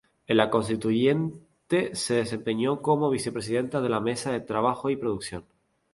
En la Constituyente se desempeñó como vicepresidenta de la mesa de Trabajo y producción.